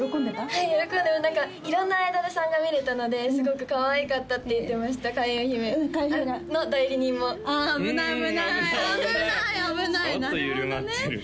はい喜んで色んなアイドルさんが見れたのですごくかわいかったって言ってました開運姫の代理人もあ危ない危ない危ない危ないちょっと緩まってるね